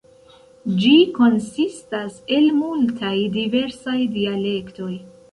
Ĝi konsistas el multaj diversaj dialektoj.